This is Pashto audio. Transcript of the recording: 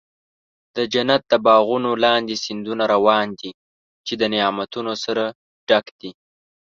د جنت د باغونو لاندې سیندونه روان دي، چې د نعمتونو سره ډک دي.